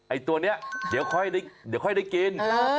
ไอ้ตัวนี้เดี๋ยวค่อยได้กิน